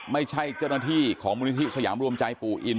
ไม่ใช่เจ้าหน้าที่ของมูลนิธิสยามรวมใจปู่อิน